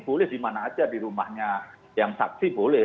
boleh dimana aja di rumahnya yang saksi boleh